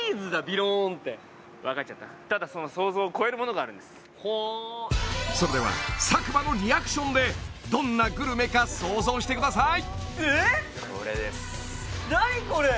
ビローンってただその想像を超えるものがあるほうそれでは佐久間のリアクションでどんなグルメか想像してください